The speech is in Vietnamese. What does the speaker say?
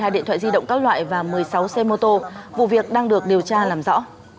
hai điện thoại di động các loại và một mươi sáu xe mô tô vụ việc đang được điều tra làm rõ